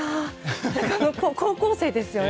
高校生ですよね。